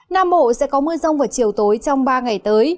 nam bộ sẽ có mưa rông vào chiều tối trong ba ngày tới